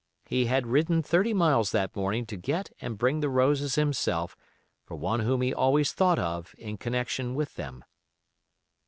He had ridden thirty miles that morning to get and bring the roses himself for one whom he always thought of in connection with them.